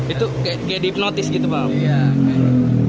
itu kayak gitu banget